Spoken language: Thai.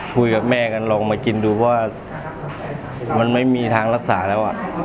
คุยกับแม่กันลองมากินดูเพราะว่ามันไม่มีทางรักษาแล้ว